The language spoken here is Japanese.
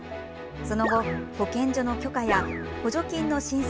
その後、保健所の許可や補助金の申請